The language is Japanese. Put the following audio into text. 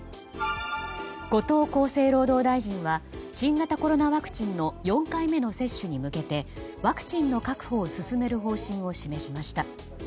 後藤厚生労働大臣は新型コロナワクチンの４回目の接種に向けてワクチンの確保を進める方針を示しました。